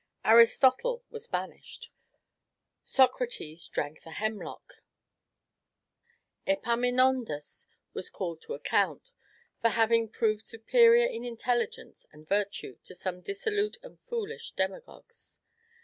Aristotle was banished, Socrates drank the hemlock, Epaminondas was called to account, for having proved superior in intelligence and virtue to some dissolute and foolish demagogues.